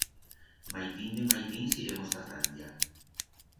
Maitín de maitins iremos ta Francia.